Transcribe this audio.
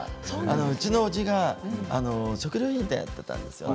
うちのおじが食料品店をやっていたんですよね